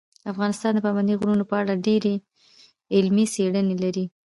افغانستان د پابندي غرونو په اړه ډېرې علمي څېړنې لري.